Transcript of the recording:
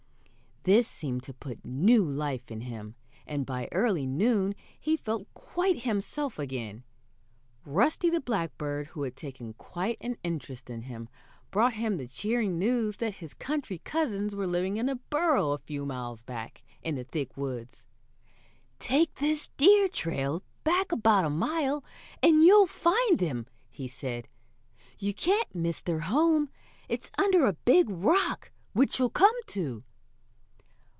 This seemed to put new life in him, and by early noon he felt quite himself again. Rusty the Blackbird, who had taken quite an interest in him, brought him the cheering news that his country cousins were living in a burrow a few miles back in the thick woods. "Take this deer trail back about a mile, and you'll find them," he said. "You can't miss their home. It's under a big rock which you'll come to."